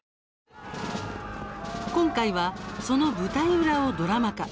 今回はその舞台裏をドラマ化。